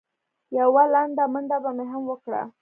یوه لنډه منډه به مې هم وکړه.